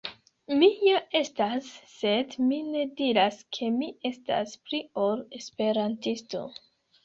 Mi ja estas, sed mi ne diras ke mi estas pli ol Esperantisto.